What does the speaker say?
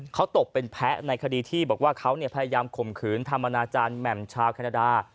เขาตกเป็นแพ้ในคดีที่บอกว่าเขาพยายามข่มขืนทำอนาจารย์แหม่มชาวแคนาดา